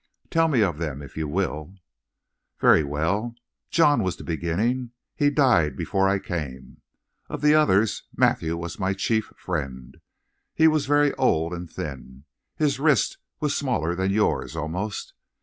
"Tell me of them if you will." "Very well. John was the beginning. He died before I came. Of the others Matthew was my chief friend. He was very old and thin. His wrist was smaller than yours, almost.